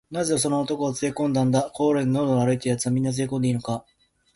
「なぜその男をつれこんだんだ？小路をのろのろ歩いているやつは、みんなつれこんでいいのか？」